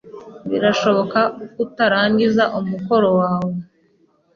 Birashoboka ko utararangiza umukoro wawe.